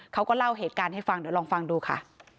เขาก็เล่าเหตุการณ์ให้ฟังเดี๋ยวลองฟังดูค่ะ